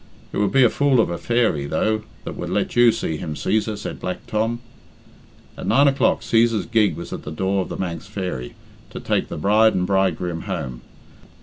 "It would be a fool of a fairy, though, that would let you see him, Cæsar," said Black Tom. At nine o'clock Cæsar's gig was at the door of "The Manx Fairy" to take the bride and bridegroom home.